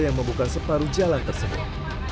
yang membuka separuh jalan tersebut